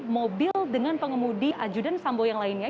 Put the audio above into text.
mobil dengan pengemudi ajudan sambo yang lainnya